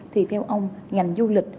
thì theo ông ngành du lịch